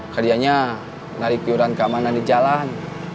kerjanya menarik yuran kemana mana di jalan